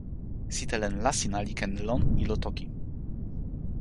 sitelen Lasina li ken lon ilo toki.